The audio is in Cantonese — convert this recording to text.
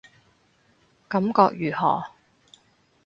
感覺如何